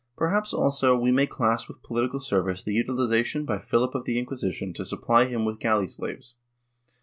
^ Perhaps, also, we may class with political service the utilization by Philip of the Inquisition to supply him with galley slaves.